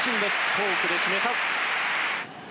フォークで決めた。